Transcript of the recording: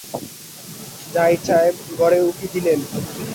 জাহিদ সাহেব ঘরে উঁকি দিলেন।